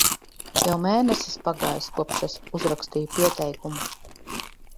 Jau mēnesis pagājis, kopš es uzrakstīju pieteikumu.